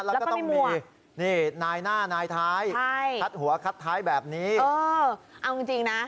แล้วก็ต้องมีนี่นายหน้านายท้ายคัดหัวคัดท้ายแบบนี้เออเอาจริงจริงนะ